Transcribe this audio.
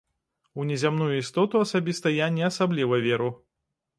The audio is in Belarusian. У незямную істоту асабіста я не асабліва веру.